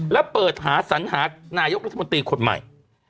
แล้วเปิดหาสัญหานายกรัฐมนตรีคนใหม่